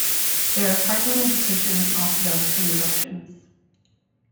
There are part-time education and off-job training options.